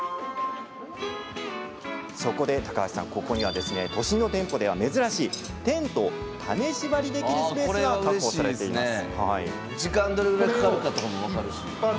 そこで、ここには都心の店舗には珍しいテントを試し張りできるスペースが確保されています。